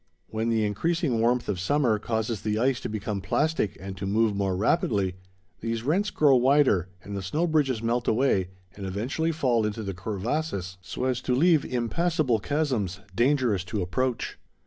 When the increasing warmth of summer causes the ice to become plastic and to move more rapidly, these rents grow wider and the snow bridges melt away and eventually fall into the crevasses so as to leave impassable chasms, dangerous to approach.